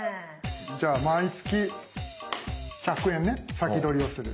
じゃあ毎月１００円ね先取りをする。